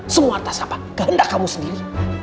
semua atas apa kehendak kamu sendiri